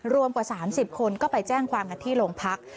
รวมกว่า๓๐คนก็ไปแจ้งความกันที่โรงพัก